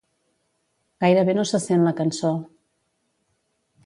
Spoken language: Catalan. Gairebé no se sent la cançó.